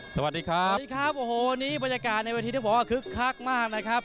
สวัสดีครับสวัสดีครับโอ้โหวันนี้บรรยากาศในเวทีต้องบอกว่าคึกคักมากนะครับ